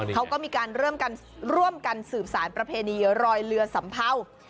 เขาก็มีการร่วมกันสืบสารประเพณีรอยเรือสัมเภา